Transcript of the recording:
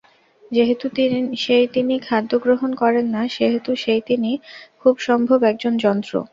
যেহেতু সেই তিনি খাদ্য গ্রহণ করেন না সেহেতু সেই তিনি খুব সম্ভব একজন যন্ত্র।